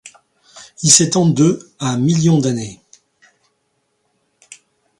Il s'étend de à millions d'années.